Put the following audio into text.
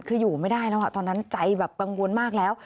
คืออยู่ไม่ได้แล้วตอนนั้นใจแบบกังวลมากแล้ว